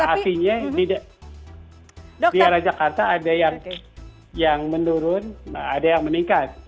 artinya di arah jakarta ada yang menurun ada yang meningkat